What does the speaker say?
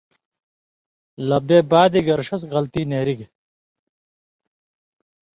لہ بے بادِگر ݜس غلطی نېرگ۔